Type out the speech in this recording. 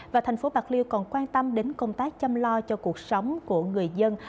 và tp bạc liêu còn quan tâm đến công tác chăm lo cho cuộc sống của người dân